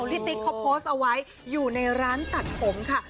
ติ๊กเขาโพสต์เอาไว้อยู่ในร้านตัดผมค่ะ